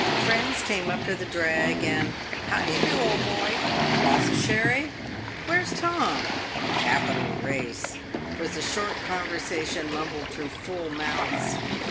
Friends came up to the drag, and, " How d'ye do, old boy ?" "A glass of sherry ?"" "Where's Tom ?"" Capital race !" was the short conversation mumbled through full mouths.